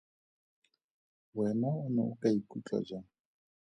Wena o ne o ka ikutlwa jang?